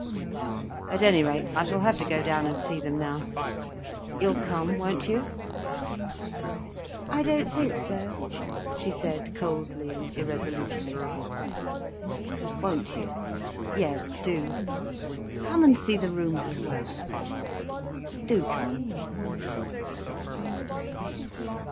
At any rate, I shall have to go down and see them now. You'll come, won't you?" "I don't think so," she said coldly and irresolutely. "Won't you? Yes do. Come and see the rooms as well. Do come."